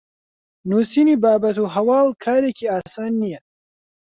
نوسینی بابەت و هەواڵ کارێکی ئاسان نییە